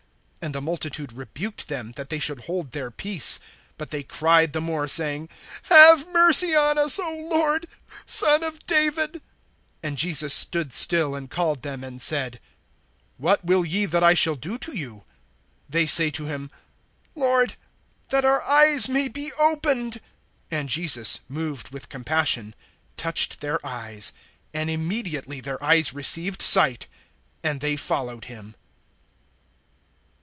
(31)And the multitude rebuked them, that they should hold their peace. But they cried the more, saying: Have mercy on us, O Lord, Son of David. (32)And Jesus stood still, and called them, and said: What will ye that I shall do to you? (33)They say to him: Lord, that our eyes may be opened. (34)And Jesus, moved with compassion, touched their eyes; and immediately their eyes received sight; and they followed him.